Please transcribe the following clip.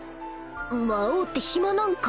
魔王って暇なんか